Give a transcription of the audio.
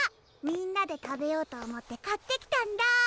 みんなで食べようと思って買ってきたんだ！